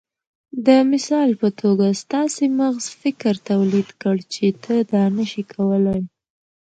د مثال په توګه ستاسې مغز فکر توليد کړ چې ته دا نشې کولای.